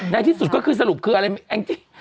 ในที่สุดก็คือสรุปคืออะไรแองจี้